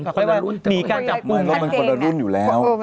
แต่มันคนเดิมรู่นอยู่แล้ว